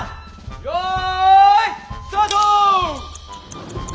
よいスタート！